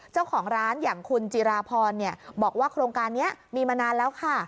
เจ้าของร้านอย่างคุณจิราพรบอกว่าโครงการนี้มีมานานแล้วค่ะ